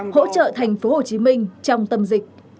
hỗ trợ thành phố hồ chí minh trong tâm dịch